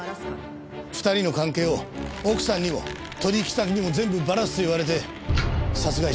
２人の関係を奥さんにも取引先にも全部ばらすと言われて殺害した。